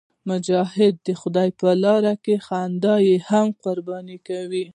مجاهد د خدای په لاره کې خندا هم قرباني کوي.